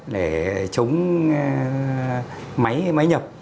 để chống máy nhập